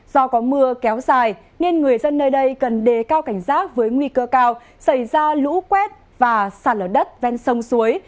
do có mưa kéo dài nên người dân nơi đây cần đề cao cảnh giác với nguy cơ cao xảy ra lũ quét và sạt lở đất ven sông suối